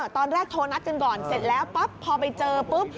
ตอนแรกโทรนัดกันก่อนเสร็จแล้วปั๊บพอไปเจอปุ๊บ